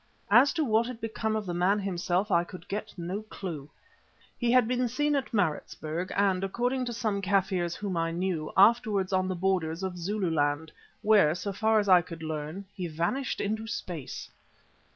As to what had become of the man himself I could get no clue. He had been seen at Maritzburg and, according to some Kaffirs whom I knew, afterwards on the borders of Zululand, where, so far as I could learn, he vanished into space.